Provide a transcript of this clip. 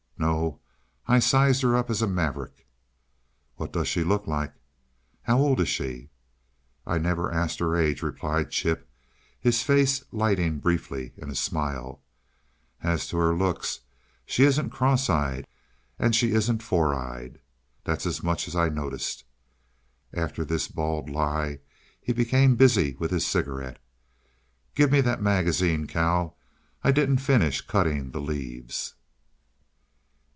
"No I sized her up as a maverick." "What does she look like?" "How old is she?" "I never asked her age," replied Chip, his face lighting briefly in a smile. "As to her looks, she isn't cross eyed, and she isn't four eyed. That's as much as I noticed." After this bald lie he became busy with his cigarette. "Give me that magazine, Cal. I didn't finish cutting the leaves."